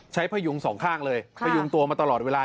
พยุงสองข้างเลยพยุงตัวมาตลอดเวลา